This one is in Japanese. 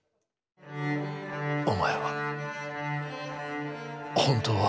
お前は本当は。